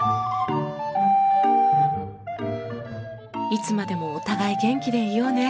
いつまでもお互い元気でいようね。